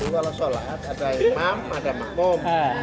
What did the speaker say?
kalau sholat ada imam ada makmum